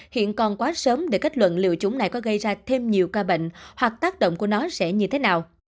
hiện còn quá sớm để kết luận liệu chúng này có gây ra thêm nhiều ca bệnh hoặc tác động của nó sẽ như thế nào